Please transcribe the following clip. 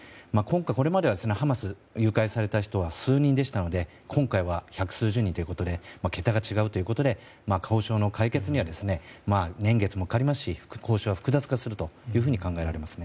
これまではハマスに誘拐された人は数人でしたので今回は百数十人ということで桁が違うということで交渉の解決には年月もかかりますし交渉は複雑化するというふうに考えられます。